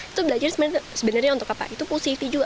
itu belajar sebenarnya untuk apa itu pool safety juga